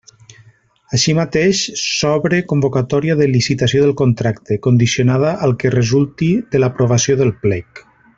Així mateix, s'obre convocatòria de licitació del contracte, condicionada al que resulti de l'aprovació del Plec.